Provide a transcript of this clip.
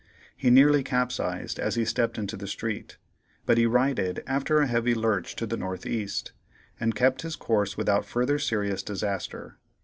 He nearly capsized as he stepped into the street, but he righted after a heavy lurch to the north east, and kept his course without further serious disaster.